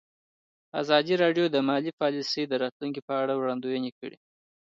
ازادي راډیو د مالي پالیسي د راتلونکې په اړه وړاندوینې کړې.